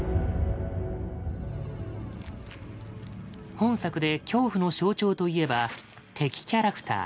本作で恐怖の象徴といえば「敵キャラクター」。